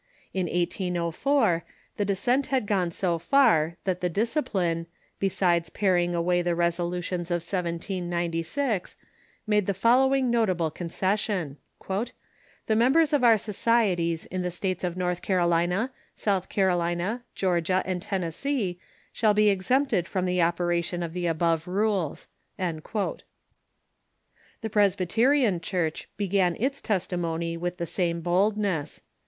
In 1 804, the descent had gone so far that the Discipline, besides paring away the resolutions of 1796, made the following notable con cession: "The members of our societies in the states of North Carolina, South Carolina, Georgia, and Tennessee shall be ex empted from the operation of the above rules." The Presbyterian Church began its testimony with the same boldness.